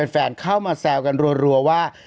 แฟนเข้ามาแซวกันรัวว่า